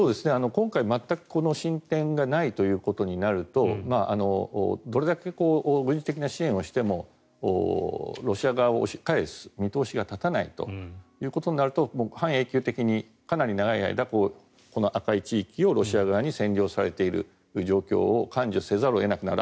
今回、全く進展がないということになるとどれだけ軍事的な支援をしてもロシア側を押し返す見通しが立たないということになると半永久的にかなり長い間この赤い地域をロシア側に占領されている状況を甘受せざるを得なくなる。